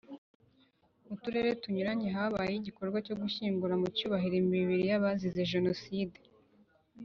Mu Turere tunyuranye habaye igikorwa cyo gushyingura mu cyubahiro imibiri y’abazize Jenoside